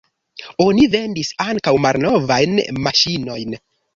Oni vendis ankaŭ malnovajn maŝinojn.